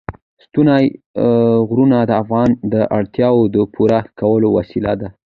ستوني غرونه د افغانانو د اړتیاوو د پوره کولو وسیله ده.